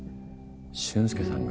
俊介さんが？